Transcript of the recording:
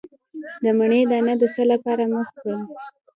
د مڼې دانه د څه لپاره مه خورم؟